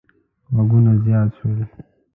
غږونه زیات شول.